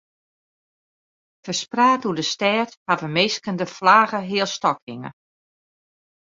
Ferspraat oer de stêd hawwe minsken de flagge healstôk hinge.